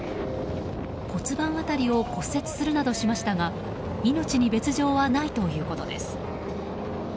骨盤辺りを骨折するなどしましたが命に別条はないということです。